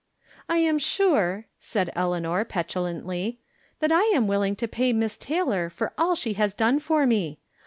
" I am sure," said Eleanor, petulantly, " that I am willing to pay Miss Taylor for all she has done for me.